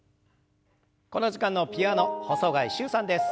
この時間のピアノ細貝柊さんです。